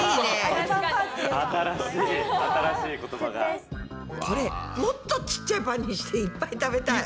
これもっとちっちゃいパンにしていっぱい食べたい。